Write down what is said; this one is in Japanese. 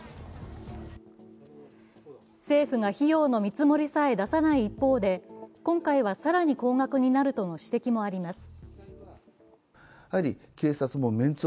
政府が費用の見積もりさえ出さない一方で、今回は更に高額になるとの指摘もあります。